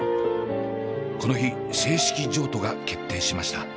この日正式譲渡が決定しました。